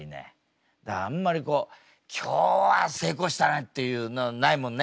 だからあんまりこう「今日は成功したね！」っていうのないもんね。